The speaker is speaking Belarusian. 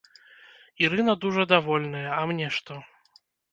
Ірына дужа давольная, а мне што!